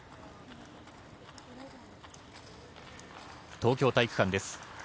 東京体育館です。